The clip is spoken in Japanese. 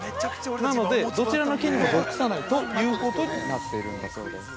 なので、どちらの県にも属さないということになっているんだそうです。